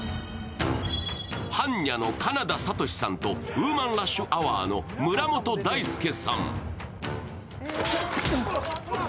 はんにゃの金田哲さんとウーマンラッシュアワーの村本大輔さん。